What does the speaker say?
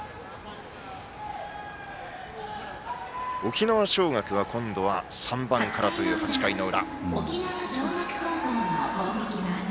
沖縄尚学は今度は３番からという８回の裏。